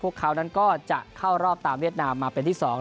พวกเขานั้นก็จะเข้ารอบตามเวียดนามมาเป็นที่๒